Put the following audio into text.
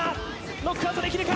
ノックアウトできるか？